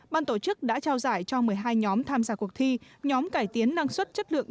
ban tổ chức đã trao giải cho một mươi hai nhóm tham gia cuộc thi nhóm cải tiến năng suất chất lượng